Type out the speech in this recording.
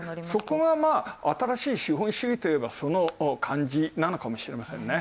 そこが新しい資本主義といえば、その感じなのかもしれません。